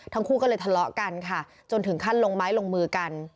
ทั้งคู่ก็เลยทะเลาะกันค่ะจนถึงขั้นลงไม้ลงมือกัน